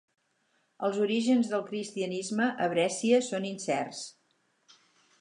Els orígens del cristianisme a Brescia són incerts.